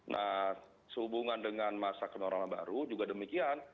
nah sehubungan dengan masa ke normal baru juga demikian